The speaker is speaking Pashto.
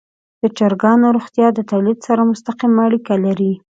د چرګانو روغتیا د تولید سره مستقیمه اړیکه لري.